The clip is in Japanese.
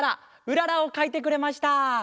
「うらら」をかいてくれました！